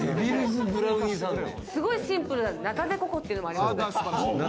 すごいシンプルなナタデココっていうのもありますよ。